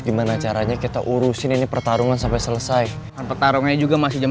gimana caranya kita urusin ini pertarungan sampai selesai petarungnya juga masih jam